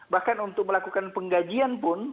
bahkan untuk melakukan penggajian pun